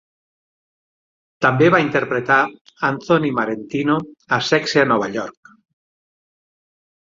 També va interpretar Anthony Marentino a "Sexe a Nova York".